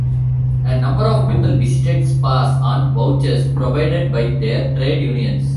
A number of people visited spas on vouchers provided by their trade unions.